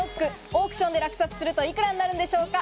オークションで落札すると幾らになるんでしょうか。